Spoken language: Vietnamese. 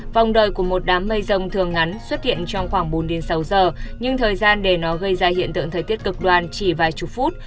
vòng đời của một đám mây rông thường ngắn xuất hiện trong khoảng bốn sáu giờ nhưng thời gian để nó gây ra hiện tượng thời tiết cực đoan chỉ vài chục phút